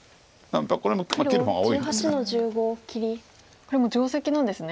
これも定石なんですね。